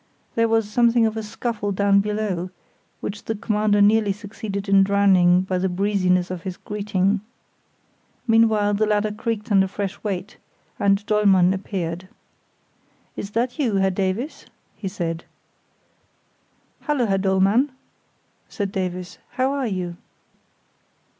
There was something of a scuffle down below, which the Commander nearly succeeded in drowning by the breeziness of his greeting. Meanwhile, the ladder creaked under fresh weight, and Dollmann appeared. "Is that you, Herr Davies?" he said. "Hullo! Herr Dollmann," said Davies; "how are you?"